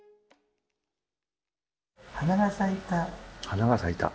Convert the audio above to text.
花が咲いた。